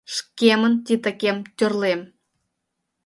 ШКЕМЫН ТИТАКЕМ ТӦРЛЕМ